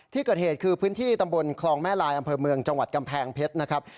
ที่เกิดเหตุคือพื้นที่ตำบลคลองแม่ลายอำเภอเมืองจังหวัดกำแพงเพชรนะครับ